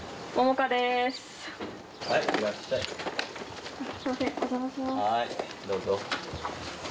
はいどうぞ。